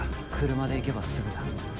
車で行けばすぐだ。